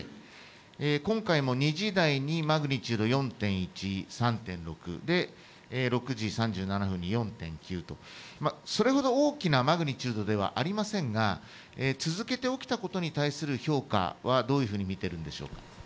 今回も２時台にマグニチュード４．１、３．６、そして６時３７分に４．９と、それほど大きなマグニチュードではありませんが続けて起きたことに対する評価はどういうふうに見ているんでしょうか。